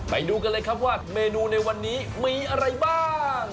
ไปดูกันเลยครับว่าเมนูในวันนี้มีอะไรบ้าง